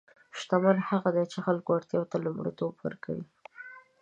شتمن هغه دی چې د خلکو اړتیا ته لومړیتوب ورکوي.